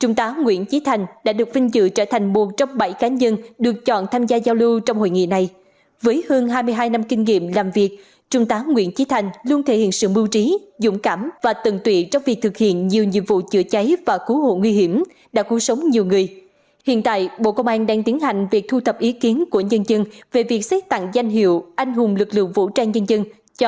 trung tá nguyễn trí thành phó đội trưởng đội chữa cháy và cứu nạn cứu hộ sẽ vinh dự được đại diện bộ công an giao lưu trực tiếp tại hội nghị tuyên dương tôn vinh điển hình tiên tiến toàn quốc